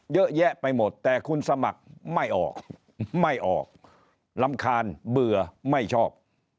เยอะแยะไปหมดแต่คุณสมัครไม่ออกไม่ออกรำคาญเบื่อไม่ชอบ